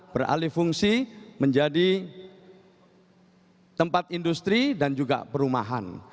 beralih fungsi menjadi tempat industri dan juga perumahan